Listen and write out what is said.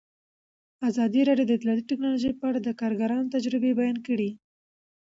ازادي راډیو د اطلاعاتی تکنالوژي په اړه د کارګرانو تجربې بیان کړي.